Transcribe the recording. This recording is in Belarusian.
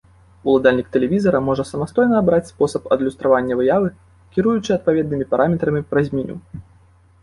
Уладальнік тэлевізара можа самастойна абраць спосаб адлюстравання выявы, кіруючы адпаведнымі параметрамі праз меню.